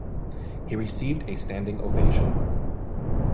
He received a standing ovation.